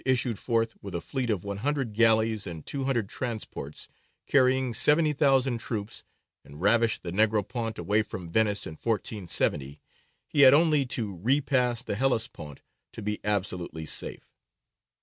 issued forth with a fleet of one hundred galleys and two hundred transports, carrying seventy thousand troops, and ravished the Negropont away from Venice in 1470, he had only to repass the Hellespont to be absolutely safe.